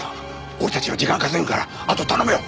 俺たちが時間稼ぐからあと頼むよ。